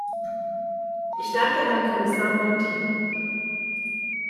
Ich danke Herrn Kommissar Monti.